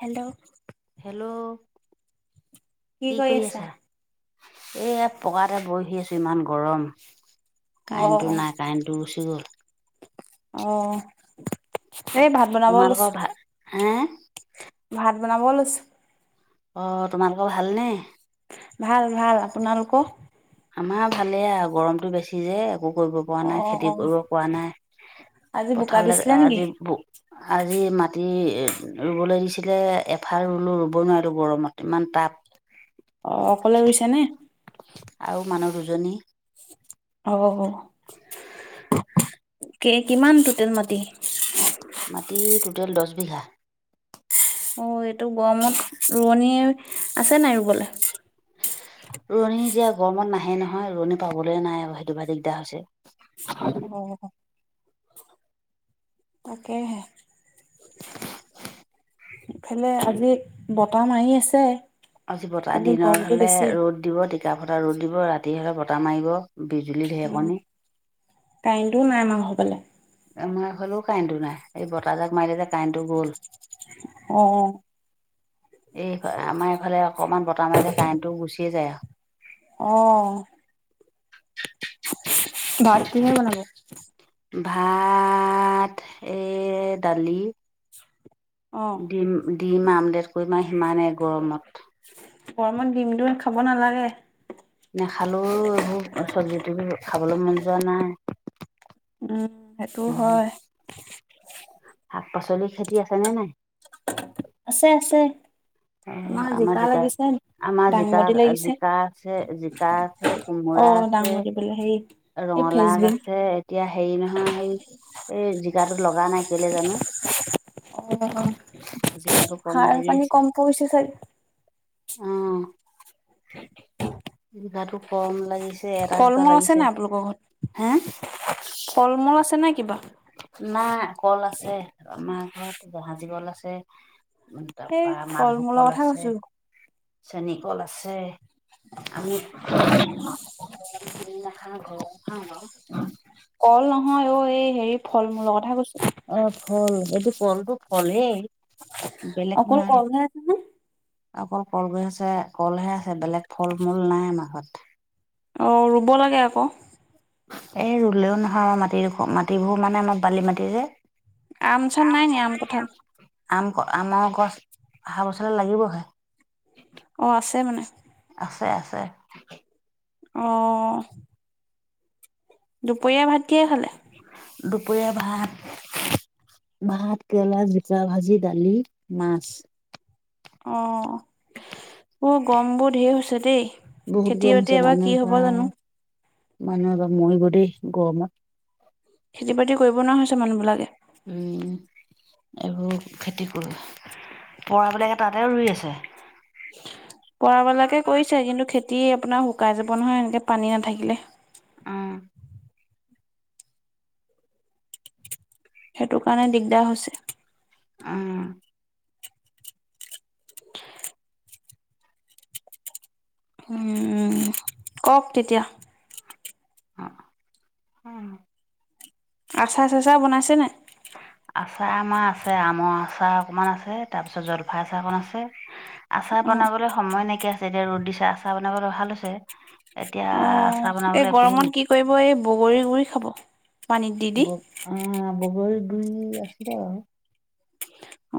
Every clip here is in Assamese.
হেল্ল' হেল্ল', কি কৰি আছা? এইয়া পকাতে বহি আছোঁ, ইমান গৰম! কাৰেণ্টটো অ', নাই, কাৰেণ্ট টো গুচি গ'ল। অ', এই ভাত বনাব তোমালোকৰ লৈছোঁ। ভাল হে ভাত বনাব লৈছোঁ। অ', তোমালোকৰ ভালনে? ভাল, ভাল, আপোনালোকৰ? আমাৰ ভালে আৰু, গৰমটো বেছি যে, একো কৰিব পোৱা নাই, অ', খেতি অ', কৰিব পৰা নাই, আজি বোকা পথাৰলৈ দিছিলে নেকি? আজি আজি মাটি ৰুবলৈ দিছিলে এফাল ৰুলো, ৰুব নোৱাৰিলো গৰমত, ইমান তাপ! অ, অকলে ৰুইছা নে? আৰু মানুহ দুজনী [unintelligible] কিমান টুটেল মাটি? মাটি টোটেল দছ বিঘা। অ', এইটো গৰমত ৰোৱনী আছে নাই ৰুবলৈ? ৰুৱণি এতিয়া গৰমত নাহে নহয় ৰুৱণি পাবলে নাই আৰু সেইটো পৰা দিগদাৰ হৈছে। [inaudible] অঁ। তাকেহে। ইফালে আজি বতাহ মাৰি আছে। আজি বতাহ কিন্তু দিনত গৰমটো হ'লে বেছি, ৰ'দ দিব টিকা ফটা ৰ'দ দিব ৰাতি হ'লে বতাহ মাৰিব বিজুলীৰ ঢেৰেকণি কাৰেণ্টো নাই আমাৰ ঘৰৰ ফালে। আমাৰ এইফালেও কাৰেণ্টো নাই এই বতাহজাক মাৰিলে যে কাৰেণ্টো গ'ল। অঁ। এই ফ আমাৰ এইফালে অকমান বতাহ মাৰিলে কাৰেণ্টো গুচিয়ে যায় আও। অঁ। ভাত কিহে বনাব? ভাত এ দালি অ'। দিম দিম আমলেট কৰিম আৰু সিমানে গৰমত। গৰমত ডিমটো খাব নালাগে। নেখালোও এইবোৰ চব্জি তব্জি খাবলৈ মন যোৱা নাই। উম সেইটোও উম, হয়। শাক পাচলি খেতি আছেনে নাই? আছে আছে। অ আমাৰ জিকা লাগিছে দেউতাই আমাৰ জিকা, দাংবডী লাগিছে জিকা আছে, জিকা আছে কোমোৰা অ' আছে দাংবডী বোলে হেৰি এই ফেচ ৰঙালাও আগ বিন। আছে এতিয়া হেৰি নহয় হেই এই জিকাটো লগা নাই, কেলে জানো? অ জিকাটো কম সাৰ লাগি পানী কম পৰিছে চাগে। অঁ। [inaudible] জিকাটো কম লাগিছে এটা ফল দুটা মূল আছে লাগিছে। নাই আপোনালোকৰ ঘৰত? হে? ফল মূল আছে নাই কিবা? নাই কল আছে, আমাৰ ঘৰত জাহাজী কল আছে এই তাৰপা ফল মালভোগ মূলৰ কল কথা আছে কৈছো চেনী কল আছে আমি কল আমি কিনি নাখাওঁ ঘৰৰ খাওঁ বাও। কল নহয় অ এই হেৰি ফল মূলৰ কথা কৈছোঁ। অ ফল এইটো কলটো ফলেই। বেলেগ অকল নাই কলহে আছে নে? অকল কল গছ আছে কলহে আছে বেলেগ ফল মূল নাই আমাৰ ঘৰত। অঁ ৰুব লাগে আক। এই ৰুলেও নহয় আমাৰ মাটিডোখ মাটিবোৰ মানে আমাৰ বালি মাটি যে। আম চাম নাই নিকি? আম চাম। আম আমৰ গছ অহাবছৰ লে লাগিবগে। অ আছে মানে? আছে আছে। অঁ। দুপৰীয়া ভাত কিয়ে খালে? দুপৰীয়া ভাত ভাত কেৰেলা, জিকা ভাজি, দালি, মাছ। অঁ, উম গৰমবোৰ ধেই হৈছে দেই। বহুত গৰম হৈছে খেতি-বাতি এইবাৰ মানুহ কি বা হ'ব জানোঁ? মানুহ এইবাৰ মৰিব দেই গৰমত। খেতি-বাতি কৰিব নোৱাৰা হৈছে মানুহবিলাকে। উম, এইবোৰ খেতি কৰোঁ। অঁ, বোলে তাতে ৰুই আছে। কৰাবিলাকে কৰিছে। কিন্তু খেতি আপোনাৰ শুকাই যাব নহয় এনেকে পানী নাথাকিলে। অঁ। সেইটো কাৰণে দিগদাৰ হৈছে। উম। [unintelligible] হম। কওক তেতিয়া। অহ, উম। আচাৰ-চাচাৰ বনাইছেনে নাই? আচাৰ আমাৰ আছে। ‌ আমৰ আচাৰ অকণমান আছে, তাৰ‌ পিছত জলফাই আচাৰ অকণমান আছে। [inaudible] আচাৰ বনাবলৈ সময় নাইকিয়া হৈছে। এতিয়া ৰ'দ দিছে, আচাৰ বনাবলৈ ভাল হৈছে। এতিয়া আচাৰ বনাবলৈ একোৱেই নাই। অই মই বগৰী গুৰি খাব। পানীত দি দি অঁ বগ অ', বগৰী গুৰি আছে?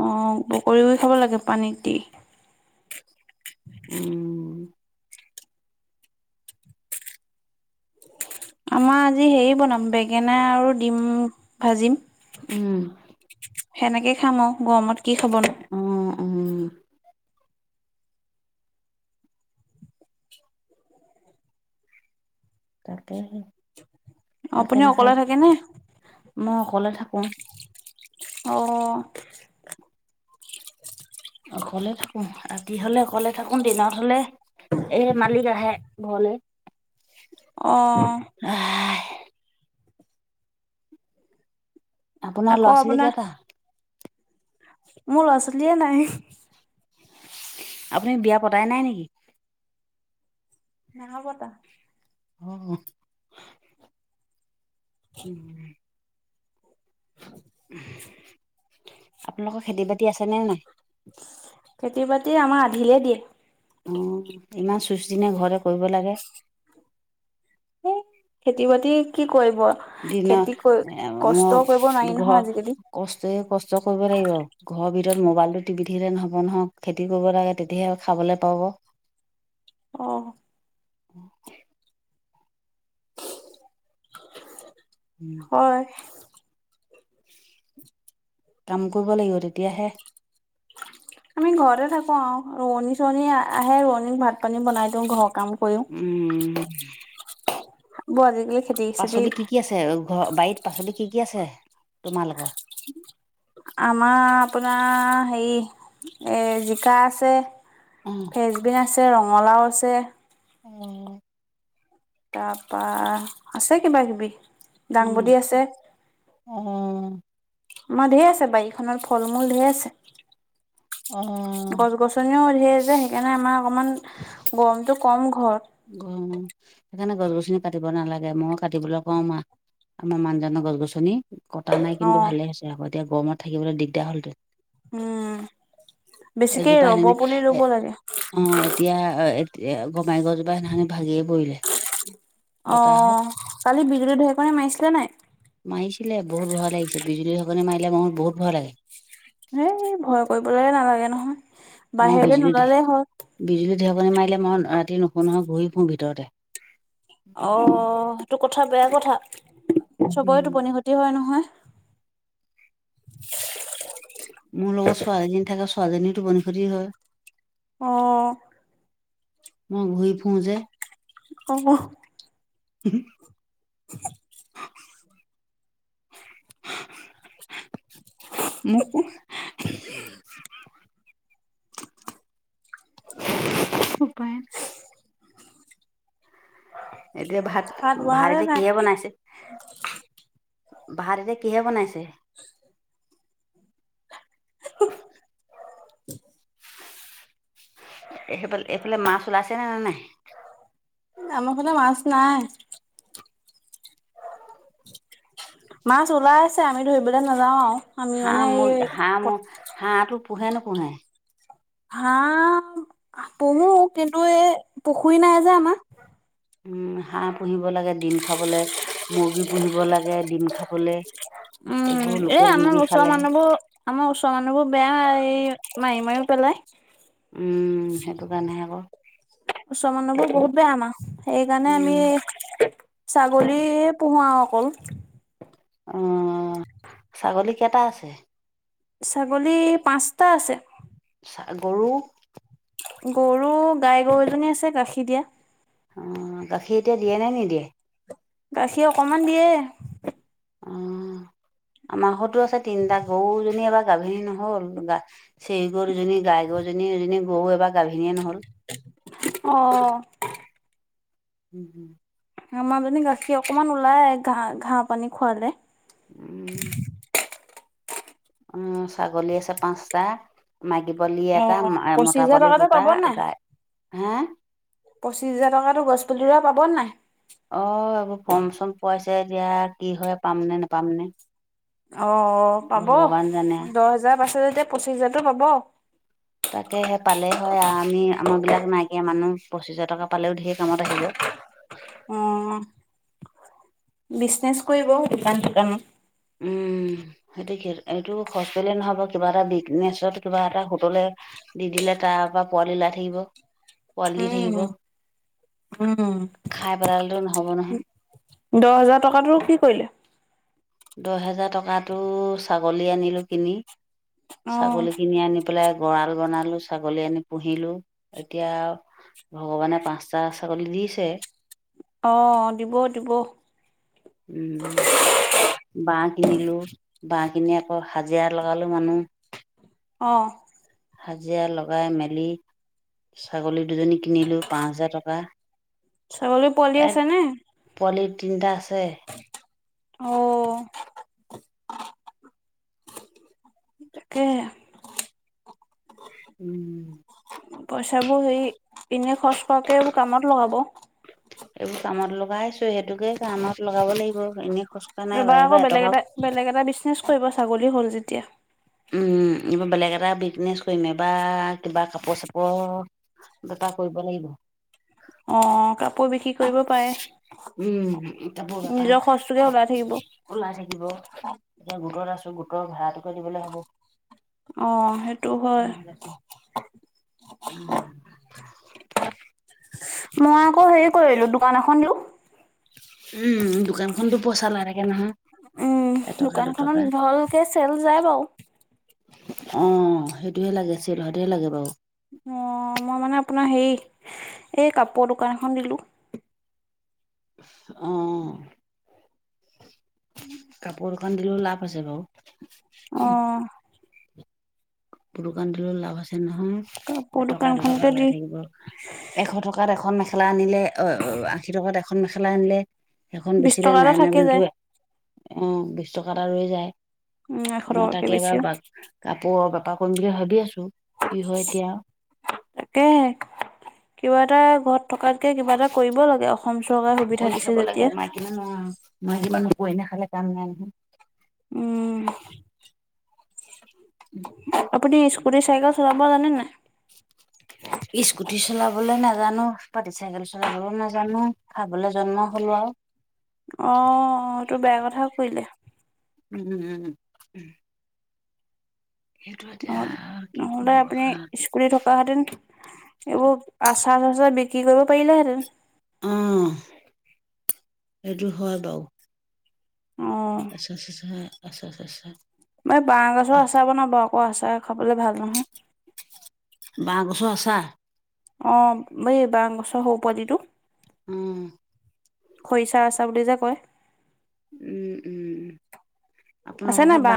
অ', বগৰী গুৰি খাব লাগে পানীত দি। অঁ আমাৰ আজি হেৰি বনাম, বেঙেনা আৰু ডিম। ভাজিম। উম। সেনেকে খাম আৰু। গৰমত কি খাবনো। অঁ, উম। তাকে। তাকে আপুনি অকলে নাখায়, থাকে নে? মই অকলে থাকুং। অঁ। অকলে থাকোঁ। ৰাতি হ'লে অকলে থাকোঁ। দিনত হ'লে এ' মালিক আহে ঘৰলে। [inaudible] [unintelligible] আহ। আপোনাৰ আকৌ ল'ৰা-ছোৱালী আপোনাৰ কেইটা? মোৰ ল'ৰা-ছোৱালীয়ে নাই। আপুনি বিয়া পতাই নাই নেকি? নাই পতা। অঁ, উম। উম, আপোনালোকৰ খেতি-বাতি আছে নে নাই? খেতি-বাতি আমাৰ আধিলে দিয়ে। উম, ইমান চুচটি নে? ঘৰতে কৰিব লাগে। ওঁ, সেই খেতি-বাতি কি কৰিব আও? দিনত খেতি ক- কষ্ট কৰিব নোৱাৰি নহয় আজিকালি। কষ্ট এই, কষ্ট কৰিবই লাগিব। ঘৰৰ ভিতৰত মোবাইলটো টিপি থাকিলে নহ'ব নহয়। খেতি কৰিব লাগে, তেতিয়াহে খাবলৈ পাব। অহ। উম। হয় কাম কৰিব লাগিব তেতিয়াহে [unintelligible] আমি ঘৰতে থাকোঁ আও, ৰোৱনী-চোৱনী আ আহে ৰোৱনীক ভাত-পানী বনাই দিওঁ। ঘৰৰ কাম কৰিম উম [unintelligible] বৰ আজিকালি খেতি চেতি পাচলি কি কি আছে ঘ বাৰীত পাচলি কি কি আছে তোমালোকৰ? [unintelligible] আমাৰ আপোনাৰ হেই এ জিকা আছে, উম ফেচবিন আছে, ৰঙালাওঁ আছে উম আ তাৰপা আছে কিবাকিবি দাংবডী আছে অ' আমাৰ ধেৰ আছে বাৰীখনৰ ফল-মূল ধেৰ আছে। অ' গছ গছ নিউ ঢেৰ যে সেইকাৰণে আমাৰ অকমান গৰমটো কম ঘৰত। সেইকাৰণে গছ-গছনি কাটিব নালাগে ময়ো কাটিবলৈ কওঁ মাঁক আমাৰ মানজনৰ গছ-গছনি কটা নাই অ কিন্তু ভালে হৈছে আকৌ এতিয়া গৰমত থাকিবলে দিগদাৰ হল হেতেন। উম বেছিকে এজোপা ৰ'ব পুলি সেনে ৰোৱ লাগে। অ এতিয়া এ গমাৰী গছজোপা সেইদিনাখনি ভাগিয়ে পৰিলে। অ পতাহত কালি বিজুলী-ঢেৰেকনি মাৰিছিলে নাই? মাৰিছিলে বহুত ভয় লাগিছে বিজুলী ঢেৰেকনি মাৰিলে মো বহুত ভয় লাগে। সেই ভয় কৰিবলে নালাগে নহয়। ম বাহিৰলৈ বিজুলী ঢে নোলালেই হ'ল বিজুলী ঢেৰেকনি মাৰিলে মই ৰাতি নুশু নহয় ঘূৰি ফুুৰো ভিতৰতে। অ তো কথা বেয়া কথা, চবৰে উম, টোপনি ক্ষতি হয় নহয়। মোৰ লগত ছোৱালীজনী থাকে ছোৱীজনী টোপনি ক্ষতি হয়। অ মই ঘুই-ফু যে। ক'ক [unintelligible] [unintelligible] মো কো [inaudible] [unintelligible] এতিয়া ভাত-ভাত বনালে এতিয়া নাই কিহে বনাইছে? ভাত এতিয়া কিহে বনাইছে? [inaudible] [unintelligible] সেফা, এইফালে মাছ ওলাইছেনে নাই? এ আম' ফালে মাছ নাই। মাছ ওলাইছে আমি ধৰিবলে নাযাওঁ আৱ আমি মানে হাঁহ মোৰ এই হাঁহ মোৰ হাঁহটো পোহে-নোপোহে? হাঁহ পুহো কিন্তু এই পুখুৰী নাই যে আমা উম হাঁহ পোহিব লাগে ডিম খাবলে, মুৰ্গী পোহিব লাগে ডিম খাবলে। উম, এইবোৰ এই লোকেল আমাৰ মুৰ্গী ওচৰৰ খালেহে মানুহবোৰ আমাৰ ওচৰৰ মানুহবোৰ বেয়া এই মাৰি মাৰিওঁ পেলাই। উম, সেইটো কাৰণেহে আকৌ। ওচৰৰ মানুহবোৰ এতিয়া বহুত বেয়া আমাৰ সেইকাৰণে উম আমি ছাগলীয়ে পোহো আৰু অকল। অ', ছাগলী কেইটা আছে? ছাগলী পাঁচটা আছে। ছা, গৰু? গৰু গাই গৰু এজনী আছে, গাখীৰ দিয়া। অ', গাখীৰ এতিয়া দিয়ে নে নিদিয়ে? গাখীৰ অকমান দিয়ে। অ', আমাৰ ঘৰতো আছে তিনটা, গৰুজনী এবাৰ গাভিনী নহ'ল গা সেই গৰুজনী, গাই গৰুজনী, এজনী গৰু এবাৰ গাভিনীয়ে নহ'ল। অ'। হু, হু। আমাৰজনী গাখীৰ অকমান ওলাই, ঘা-ঘাঁহ পানী খোৱালে। উম, ছাগলী আছে পাঁচটা। মাইকী পোৱালি অ এটা মা-মতা পঁচিছ হাজাৰ পোৱালি টকাটো দুটা পাব নাই গাই, হা? পঁচিছ হাজাৰ টকাটো, গছপুলিৰা পাব নাই? অ' এইবোৰ ফৰ্ম চম পোৱাইছে, এতিয়া কি হয় পামনে নাপাম নে। অ' পাব। ভগৱান জানে দহ হাজাৰ পাছত যেতিয়া পঁচিছ হাজাৰটো পাব। তাকে সেই পালে হয়, আমি আমাৰবিলাক নাইকিয়া মানুহ, পঁচিছ হাজাৰ টকা পালেও ধেৰ কামত আহিব। অ'। বিজনেচ কৰিব দোকান চোকানত। উম। সেইটো কি এইটো হস্পিেল নহ'ব, কিবা এটা বিজনেচত, কিবা এটা হোটলে দি দিলে তাৰ পৰা পোৱাললি ওলাই থাকিব, পোৱালি দি থাকিব। উম, উম। খাই পেলালেতো নহ'ব নহয়। দহ হাজাৰ টকাটো কি কৰিলে? দহ হেজাৰ টকাটো ছাগলী আনিলোঁ কিনি, অ', ছাগলী কিনি আনি প পেলাই গঁৰাল বনালোঁ, ছাগলী আনি পুহিলোঁ এতিয়া ভগৱানে পাঁচটা ছাগলী দিছে। অ' দিব দিব। উম। বাঁহ কিনিলোঁ, বাঁহ কিনি আকৌ হাজিৰা লগালোঁ মানুহ। অ'। হাজিৰা লগাই মেলি ছাগলী দুজনী কিনিলোঁ পাঁচ হাজাৰ টকা। ছাগলী পোৱালি এ, আছেনে? পোৱালি তিনটা আছে। অ'। তাকে। উম। পইচাবোৰ হেৰি এনে খৰচ কৰাতকে এইবোৰ কামত লগাব। এইবোৰ কামত লগাইছোঁ, সেইটোকে কামত লগাব লাগিব এনেই খচ এবাৰ আকৌ বেলেগ এটা বেলেগ এটা বিজনেছ কৰিব ছাগলী হ'ল যেতিয়া। এইবাৰ বেলেগ এটা বিজনেছ কৰিম এইবাৰ কিবা কাপোৰ চাপোৰ। বেপাৰ কৰিব লাগিব। অ কাপোৰ বিক্ৰী কৰিব পাৰে। উম কাপোৰ নিজৰ খৰচটোকে বেপাৰ ওলাই থাকিব ওলাই থাকিব এতিয়া গোটত আছোঁ গোটৰ ভাড়াটোকে দিবলৈ হ'ব। অ সেইটো হয়। নহ'লে উম মই আকৌ হেৰি কৰিলোঁ, দোকান এখন দিলোঁ। উম দোকানখনতো পইচা ওলাই থাকে নহয়। উম এটকা দোকানখনত দুটকা ভালকৈ চেল যায় বাৰু। অ সেইটোহে লাগে চেল হোৱাটোহে লাগে বাৰু। অ মই মানে আপোনাৰ হেৰি এই কাপোৰ দোকান এখন দিলোঁ। অ কাপোৰ দোকান দিলেও লাভ আছে বাৰু। অ দোকান দিলেও লাভ আছে নহয়, কাপোৰ এটকা দুটকা দোকানখনকে ওলাই দি থাকিব। এশ টকাত এখন মেখেলা আনিলে, অ অ আশী টকাত এখন মেখেলা আনিলে সেইখন বিশ বেচিলে টকা নাই এটা নাই থাকি বুলিতো যায় অ বিশ টকা এটা ৰৈ যায়। উম এশ মই টকাকে তাকে এইবাৰ বেচিও বা কাপোৰৰ বেপাৰ কৰিম বুলি ভাবি আছোঁ কি হয় এতিয়া। তাকেহে কিবা এটা ঘৰ ত থকাতকে কিবা এটা কৰিব লাগে অসম চৰকাৰে সুবিধা কৰি খাব দিছে যেতিয়া। [inaudible] উম [unintelligible] আপুনি স্কুটি চাইকেল চলাব জানে নাই? স্কুটি চলাবলৈ নাজানোঁ, পাটি চাইকেল চলাবলৈও নাজানোঁ, খাবলৈ জন্ম হলো আৰু। অ এইতো বেয়া কথা কৰিলে। ওম ওম। সেইটো এতিয়া অ কি নহ'লে কব আপুনি আৰু কি? [inaudible] এইবোৰ আচাৰ চাচাৰ বিক্ৰী কৰিব পাৰিলেহেঁতেন। অ সেইটো হয় বাৰু। অ আচাৰ চাচাৰ, আচাৰ চাচাৰ এই বাঁহ গছৰ আচাৰ বনাব আকৌ আচাৰ খাবলৈ ভাল নহয়। বাঁহ গছৰ আচাৰ। অ বাঁহ গছৰ সৰু পোৱালিটো। উম খৰিচাৰ আচাৰ বুলি যে কয়। উম উম, আছে আপোনালোকৰ নাই ঘৰত বাঁহ